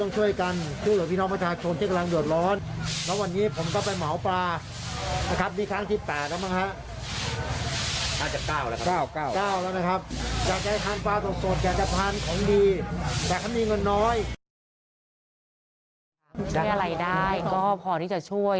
ได้อะไรได้ก็พอที่จะช่วย